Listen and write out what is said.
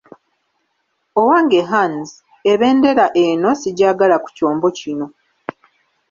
Owange Hands, ebendera eno sigyagala ku kyombo kino.